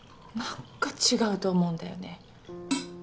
何か違うと思うんだよね